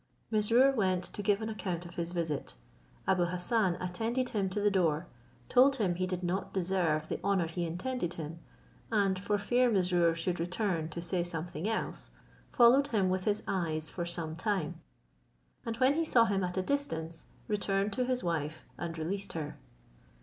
Mesrour went to give an account of his visit. Abou Hassan attended him to the door, told him he did not deserve the honour he intended him: and for fear Mesrour should return to say something else, followed him with his eyes for some time, and when he saw him at a distance, returned to his wife and released her.